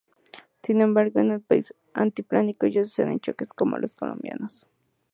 Sin embargo, en el país altiplánico ya sucedían choques con los colombianos.